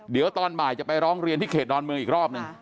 เดี๋ยวตอนบ่ายจะไปร้องเรียนที่เขตดอนเมืองอีกรอบหนึ่ง